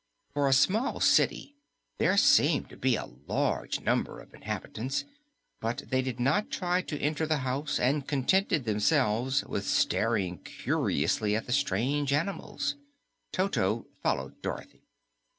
For a small city there seemed to be a large number of inhabitants, but they did not try to enter the house and contented themselves with staring curiously at the strange animals. Toto followed Dorothy.